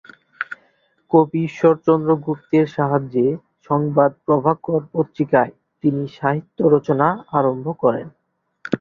কবি ঈশ্বরচন্দ্র গুপ্তের সাহায্যে সংবাদ প্রভাকর পত্রিকায় তিনি সাহিত্য রচনা আরম্ভ করেন।